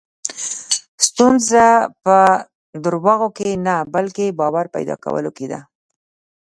ستونزه په دروغو کې نه، بلکې باور پیدا کولو کې ده.